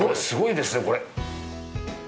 すごいですね、これ。